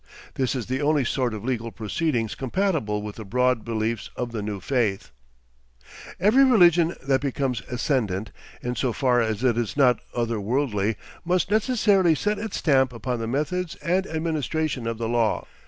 This is the only sort of legal proceedings compatible with the broad beliefs of the new faith. ... Every religion that becomes ascendant, in so far as it is not otherworldly, must necessarily set its stamp upon the methods and administration of the law.